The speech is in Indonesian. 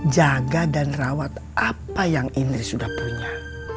jaga dan rawat apa yang indri sudah punya